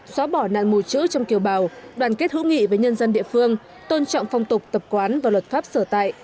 xóa bỏ nạn mù chữ trong kiều bào đoàn kết hữu nghị với nhân dân địa phương tôn trọng phong tục tập quán và luật pháp sở tại